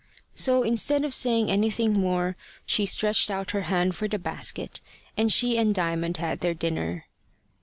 So, instead of saying anything more, she stretched out her hand for the basket, and she and Diamond had their dinner.